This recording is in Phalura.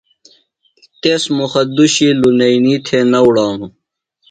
تس مُخہ دُشیۡ لنئینیۡ تھےۡ نہ اُڑانوۡ۔